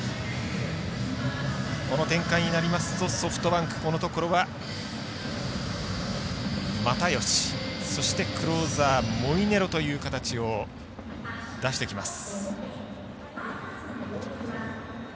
この展開になりますとソフトバンクこのところは又吉そして、クローザーのモイネロという形を出してきます。